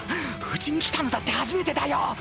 うちに来たのだって初めてだよ。